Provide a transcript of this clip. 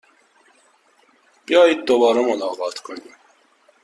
بیایید دوباره ملاقات کنیم!